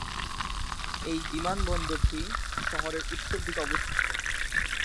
এই বিমানবন্দরটি শহরের উত্তর দিকে অবস্থিত।